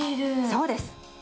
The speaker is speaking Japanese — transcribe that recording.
そうです。